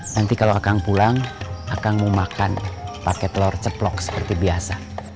nanti kalau akang pulang akan mau makan pakai telur ceplok seperti biasa